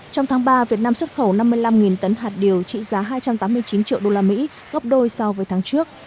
trong tháng ba việt nam xuất khẩu năm mươi năm tấn hạt điều trị giá hai trăm tám mươi chín triệu usd gấp đôi so với tháng trước